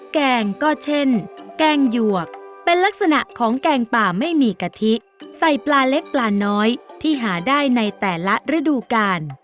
แกงก็เช่นแกงหยวกเป็นลักษณะของแกงป่าไม่มีกะทิใส่ปลาเล็กปลาน้อยที่หาได้ในแต่ละฤดูกาล